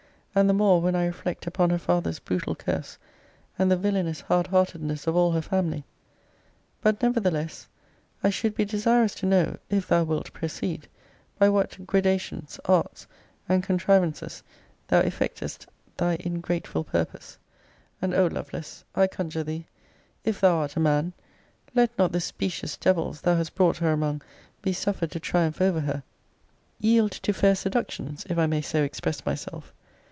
And the more, when I reflect upon her father's brutal curse, and the villainous hard heartedness of all her family. But, nevertheless, I should be desirous to know (if thou wilt proceed) by what gradations, arts, and contrivances thou effectest thy ingrateful purpose. And, O Lovelace, I conjure thee, if thou art a man, let not the specious devils thou has brought her among be suffered to triumph over her; yield to fair seductions, if I may so express myself!